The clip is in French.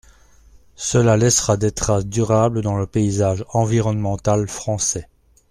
Cela laissera des traces durables dans le paysage environnemental français.